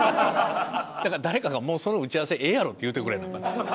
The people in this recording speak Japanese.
だから誰かが「もうその打ち合わせええやろ」って言ってくれなアカン。